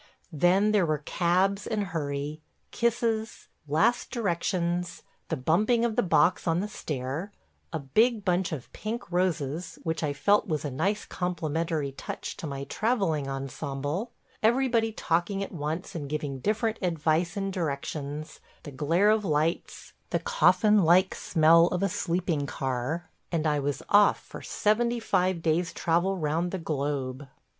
... Then there were cabs and hurry – kisses – last directions – the bumping of the box on the stair – a big bunch of pink roses (which I felt was a nice complimentary touch to my travelling ensemble) – everybody talking at once and giving different advice and directions – the glare of lights – the coffin like smell of a sleeping car – and I was off for seventy five days' travel round the globe.